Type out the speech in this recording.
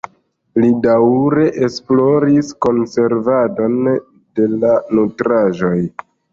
Li daŭre esploris konservadon de la nutraĵoj.